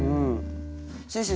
先生